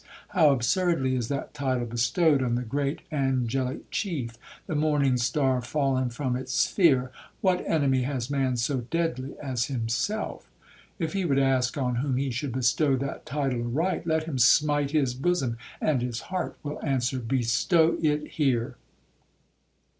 how absurdly is that title bestowed on the great angelic chief,—the morning star fallen from its sphere! What enemy has man so deadly as himself? If he would ask on whom he should bestow that title aright, let him smite his bosom, and his heart will answer,—Bestow it here!'